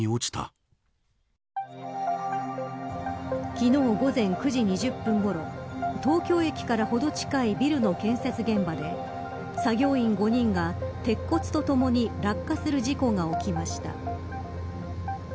昨日午前９時２０分ごろ東京駅からほど近いビルの建設現場で作業員５人が鉄骨とともに落下する事故が起きました。